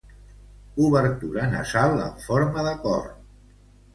Obertura nasal en forma de cor.